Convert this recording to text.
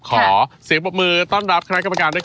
ขอเสียงปรบมือต้อนรับคณะกรรมการด้วย